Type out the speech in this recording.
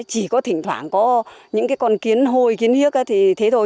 chỉ có thỉnh thoảng có những con kiến hôi kiến hiếc thì thế thôi